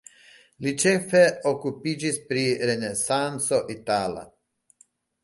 Li ĉefe okupiĝis pri renesanco itala.